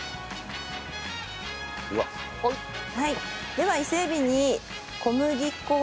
では伊勢エビに小麦粉を。